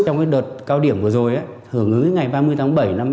trong đợt cao điểm vừa rồi hưởng ứng ngày ba mươi tháng bảy năm hai nghìn hai mươi